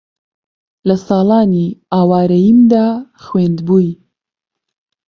لە ساڵانی ئاوارەییمدا خوێندبووی